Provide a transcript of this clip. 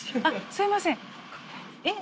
すいませんえっ